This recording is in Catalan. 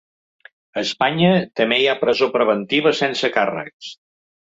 A Espanya també hi ha presó preventiva sense càrrecs.